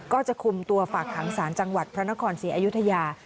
ก็จะคุมตัวฝากขังศาลจังหวัดพระนครศรีอยุธยา